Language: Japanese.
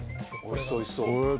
おいしそうおいしそうへえ